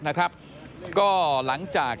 นะครับก็หลังจาก